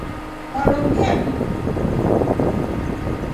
Kwalombia vindo?